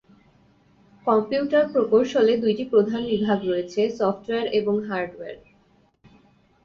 Computer প্রকৌশলে দুইটি প্রধান বিভাগ রয়েছে: সফটওয়্যার এবং হার্ডওয়্যার।